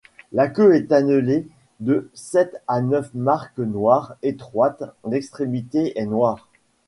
La queue est annelée de sept à neuf marques noires étroites, l'extrémité est noire.